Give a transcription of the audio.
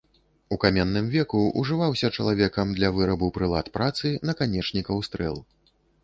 У каменным веку ўжываўся чалавекам для вырабу прылад працы, наканечнікаў стрэл.